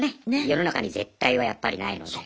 世の中に「絶対」はやっぱりないので。